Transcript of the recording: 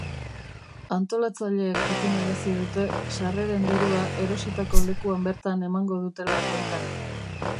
Antolatzaileek jakinarazi dute sarreren dirua erositako lekuan bertan emango dutela bueltan.